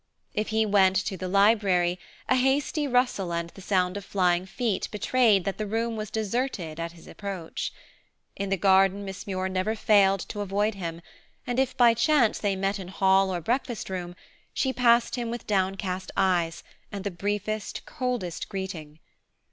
If he went to the library, a hasty rustle and the sound of flying feet betrayed that the room was deserted at his approach. In the garden Miss Muir never failed to avoid him, and if by chance they met in hall or breakfast room, she passed him with downcast eyes and the briefest, coldest greeting.